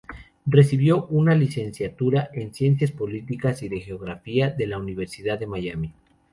Recibió una licenciatura en Ciencias Políticas y de geografía de la Universidad de Miami.